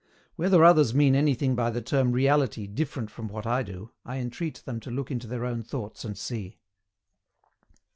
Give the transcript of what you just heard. Whether others mean anything by the term REALITY different from what I do, I entreat them to look into their own thoughts and see.